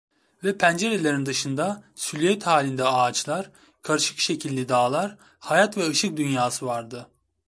Ve pencerelerin dışında siluet halinde ağaçlar, karışık şekilli dağlar, hayat ve ışık dünyası vardı…